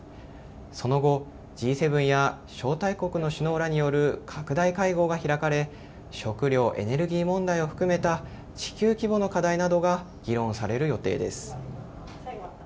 その後、Ｇ７や招待国の首脳らによる拡大会合が開かれ食料・エネルギー問題を含めた地球規模の課題などが議論される予定です。